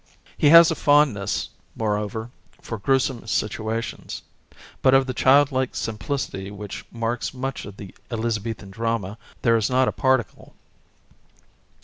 He has a fondness, moreover, for grue some situations ... but of the childlike sim plicity which marks much of the Elizabethan drama there is not a particle."